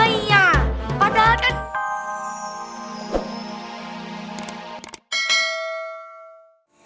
iya padahal kan